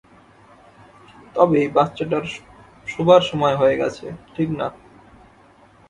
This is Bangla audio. তবে বাচ্চাটার শোবার সময় হয়ে গেছে, ঠিক না?